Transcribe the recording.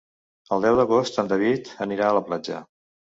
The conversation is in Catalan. El deu d'agost en David anirà a la platja.